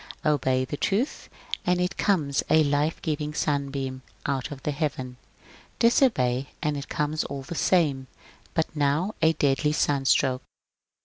Obey the truth, and it comes a life giving sun beam out of heaven ; disobey, and it comes all the same, but now a deadly sunstroke.